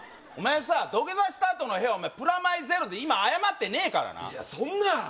お前さ土下座したあとの屁プラマイゼロで今謝ってねえからないやそんな！